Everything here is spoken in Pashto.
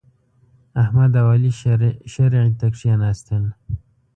احمد او علي شرعې ته کېناستل.